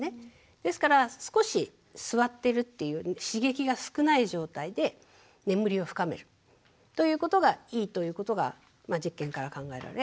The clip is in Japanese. ですから少し座ってるっていう刺激が少ない状態で眠りを深めるということがいいということが実験から考えられ。